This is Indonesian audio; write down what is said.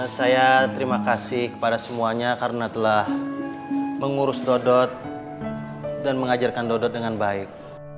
saya terima kasih kepada semuanya karena telah mengurus dodot dan mengajarkan dodot dengan baik